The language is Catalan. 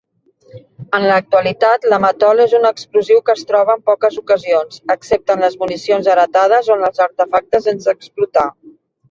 En l'actualitat, l'amatol és un explosiu que es troba en poques ocasions, excepte en les municions heretades o en els artefactes sense explotar.